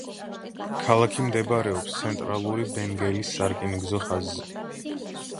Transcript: ქალაქი მდებარეობს ცენტრალური ბენგელის სარკინიგზო ხაზზე.